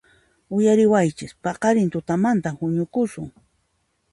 ¡Uyariwaychis! ¡Paqarin tutamantan huñukusun!